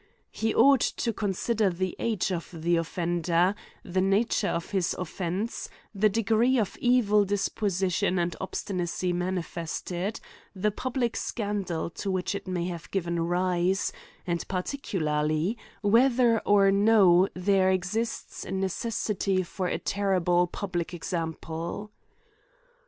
He ought to consider the age of the offender, the nature of his oflfence, the degree of evil disposition and obstmacy manifested, the public scandal to which it may have given rise, and, particularly, whether or no there exists a necessity for a ter rible public example.